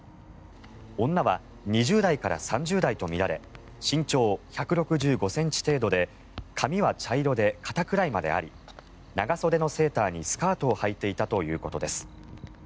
女は２０代から３０代とみられ身長１６５ｃｍ程度で髪は茶色で肩くらいまであり長袖のセーターにスカートをはいていたということです。